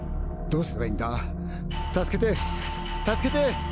「どうすればいいんだ助けてぇ助けてぇ。